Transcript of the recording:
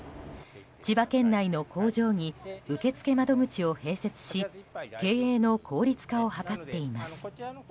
千葉県内の工場に受付窓口を併設し経営の効率化を図っています。